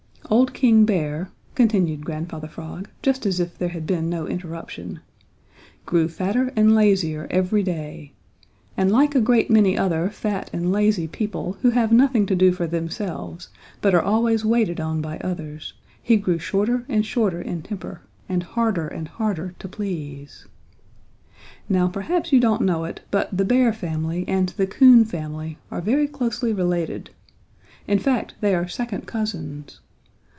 "Old King Bear," continued Grandfather Frog, just as if there had been no interruption, "grew fatter and lazier every day, and like a great many other fat and lazy people who have nothing to do for themselves but are always waited on by others, he grew shorter and shorter in temper and harder and harder to please. "Now perhaps you don't know it, but the Bear family and the Coon family are very closely related. In fact, they are second cousins.